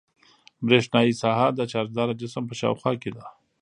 برېښنايي ساحه د چارجداره جسم په شاوخوا کې ده.